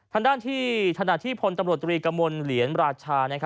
ฐานาธิพลตำรวจรีกมลเหลียนราชา